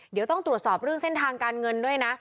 เดี๋ยวต้องตรวจสอบเรื่องเส้นทางการเงินด้วยนะ